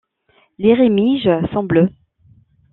Les rémiges sont bleues.